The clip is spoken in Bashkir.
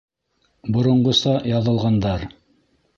Боронғоса яҙылғандар...